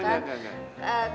enggak enggak enggak